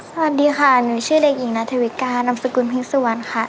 สวัสดีค่ะหนูชื่อเด็กหญิงนาธวิกานำสกุลพิกษวรรณค่ะ